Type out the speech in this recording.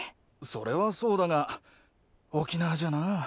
それはそうだが沖縄じゃなぁ。